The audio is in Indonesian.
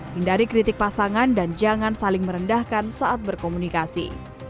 hindari kritik pasangan dan jangan saling merendahkan saat berkomunikasi